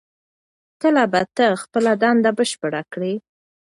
کله به ته خپله دنده بشپړه کړې؟